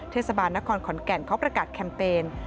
เทศบาลณคอร์มขอญแก่นเขาประกัดแคมเปญ